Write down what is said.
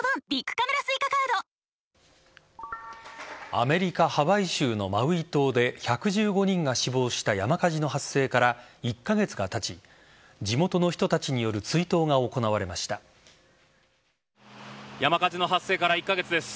アメリカ・ハワイ州のマウイ島で１１５人が死亡した山火事の発生から１カ月がたち地元の人たちによる追悼が山火事の発生から１カ月です。